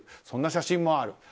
そんな写真もある。